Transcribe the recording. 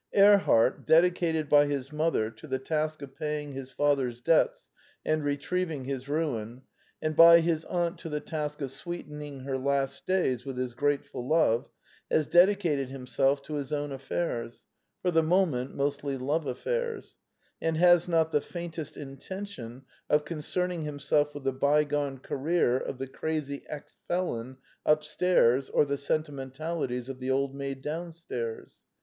Erhart, dedicated by his mother to the task of paying his father's debts and re trieving his ruin, and by his aunt to the task of sweetening her last days with his grateful love, has dedicated himself to his own affairs — for the moment mostly love affairs — and has not the faintest intention of concerning himself with the bygone career of the crazy ex felon upstairs or the sentimentalities of the old maid downstairs.